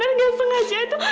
cara kehilangan aku itu mia